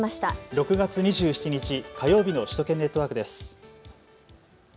６月２７日火曜日の首都圏ネットワークです。